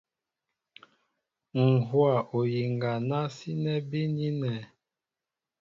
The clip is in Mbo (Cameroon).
Ǹ hówa oyiŋga ná sínɛ́ bínínɛ̄.